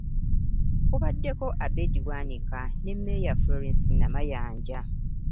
Kubaddeko Abed Bwanika ne Mmeeya Florence Namayanja